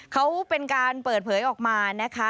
เขาเป็นการเปิดเผยออกมานะคะ